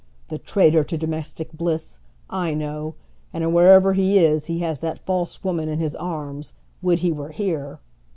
"The traitor to domestic bliss! I know. And wherever he is, he has that false woman in his arms. Would he were here!"